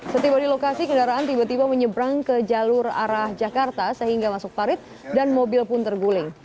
setiba di lokasi kendaraan tiba tiba menyeberang ke jalur arah jakarta sehingga masuk parit dan mobil pun terguling